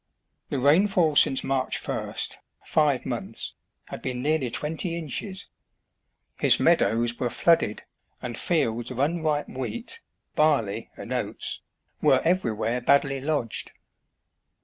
The rainfall since March first, five months, had been nearly twenty inches. His meadows were flooded, and fields of unripe wheat, barley, and oats, 50 STAGE COACHING IN ENGLAND. were everywhere badly lodged.